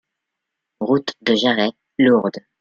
Route de Jarret, Lourdes